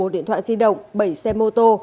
một mươi một điện thoại di động bảy xe mô tô